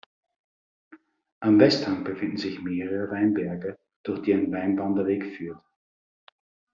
Am Westhang befinden sich mehrere Weinberge, durch die ein Weinwanderweg führt.